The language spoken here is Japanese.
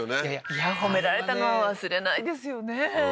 いや褒められたのは忘れないですよね